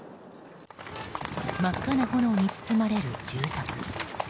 真っ赤な炎に包まれる住宅。